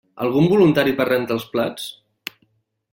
Algun voluntari per rentar els plats?